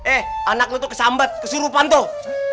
eh anak lu tuh kesambet kesurupan tuh